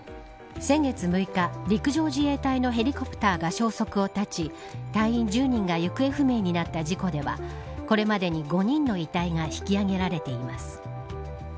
昨日新たに先月６日、陸上自衛隊のヘリコプターが消息を絶ち隊員１０人が行方不明になった事故ではこれまでに５人の遺体が引き上げられています。